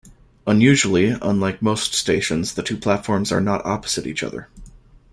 Unusually, unlike most stations, the two platforms are not opposite each other.